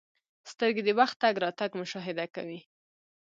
• سترګې د وخت تګ راتګ مشاهده کوي.